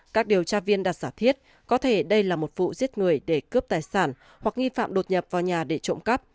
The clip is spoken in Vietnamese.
các điều tra viên đã giả thiết có thể đây là một vụ giết người để cướp tài sản hoặc nghi phạm đột nhập vào nhà để trộm cắp